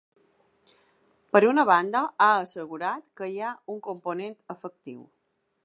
Per una banda, ha assegurat que hi ha un component afectiu.